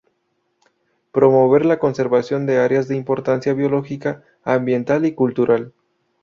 Promover la conservación de áreas de importancia biológica, ambiental y cultural.